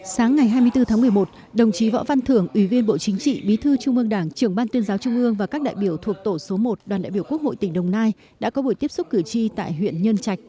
sáng ngày hai mươi bốn tháng một mươi một đồng chí võ văn thưởng ủy viên bộ chính trị bí thư trung ương đảng trưởng ban tuyên giáo trung ương và các đại biểu thuộc tổ số một đoàn đại biểu quốc hội tỉnh đồng nai đã có buổi tiếp xúc cử tri tại huyện nhân trạch